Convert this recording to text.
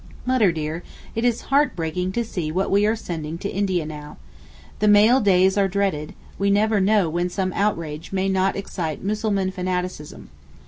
Mutter dear, it is heart breaking to see what we are sending to India now. The mail days are dreaded, we never know when some outrage may not excite 'Mussulman fanaticism.